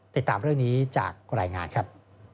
ติดตามเรื่องนี้จากรายงานครับ